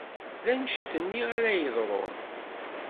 D annect-nni ara d-yeḍrun.